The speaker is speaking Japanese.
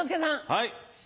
はい。